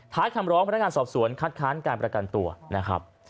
คำร้องพนักงานสอบสวนคัดค้านการประกันตัวนะครับ